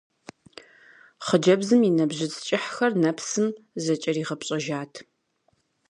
Хъыджэбзым и нэбжьыц кӀыхьхэр нэпсым зэкӀэригъэпщӀэжат.